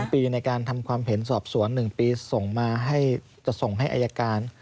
ปีในการทำความเห็นสอบสวน๑ปีส่งมาให้จะส่งให้อายการ